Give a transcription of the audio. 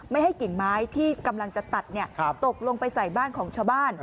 ไม่ให้กิ่งไม้ที่กำลังจะตัดตกลงไปใส่บ้านของชาวบ้าน